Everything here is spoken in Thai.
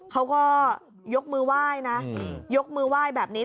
เขาก็ยกมือไหว้นะยกมือไหว้แบบนี้